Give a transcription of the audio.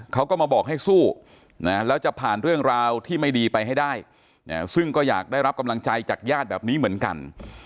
เขาก็มาบอกให้สู้นะแล้วจะผ่านเรื่องราวที่ไม่ดีไปให้ได้ซึ่งก็อยากได้รับกำลังใจจากญาติแบบนี้เหมือนกัน